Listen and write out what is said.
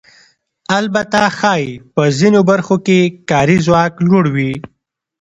البته ښایي په ځینو برخو کې کاري ځواک لوړ وي